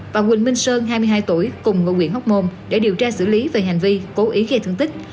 và nguyễn sơn hai mươi hai tuổi cùng ngộ nguyễn hóc môn để điều tra xử lý về hành vi cố ý gây thương tích